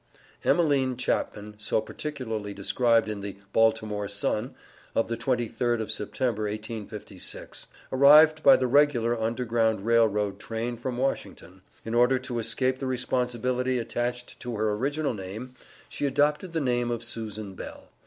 Emeline Chapman, so particularly described in the "Baltimore Sun" of the 23d of September, 1856, arrived by the regular Underground Rail Road train from Washington. In order to escape the responsibility attached to her original name, she adopted the name of Susan Bell.